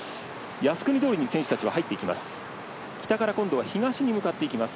靖国通りに選手たちが入っていきます。